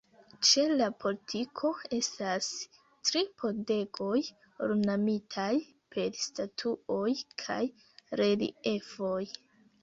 Ĉe la portiko estas tri pordegoj ornamitaj per statuoj kaj reliefoj.